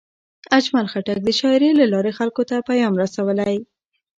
اجمل خټک د شاعرۍ له لارې خلکو ته پیام رسولی.